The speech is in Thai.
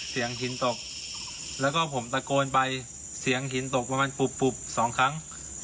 หินตกแล้วก็ผมตะโกนไปเสียงหินตกประมาณปุบสองครั้ง